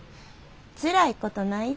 つらいことないで。